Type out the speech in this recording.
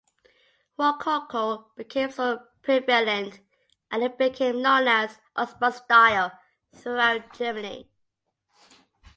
Rococo became so prevalent that it became known as "Augsburg style" throughout Germany.